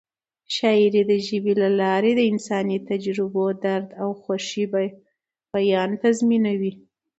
شاعري د ژبې له لارې د انساني تجربو، درد او خوښۍ بیان تضمینوي.